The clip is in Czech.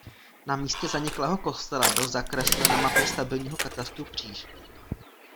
Na místě zaniklého kostela byl zakreslen na mapě stabilního katastru kříž.